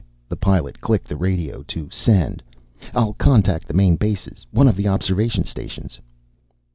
The Pilot clicked the radio to send. "I'll contact the main bases, one of the observation stations."